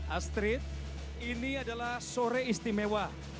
astrid ini adalah sore istimewa